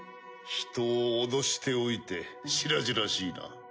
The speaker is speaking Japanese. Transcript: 人を脅しておいて白々しいな。